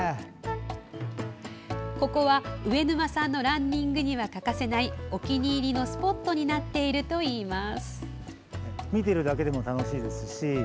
ここは上沼さんのランニングには欠かせないお気に入りのスポットになっているといいます。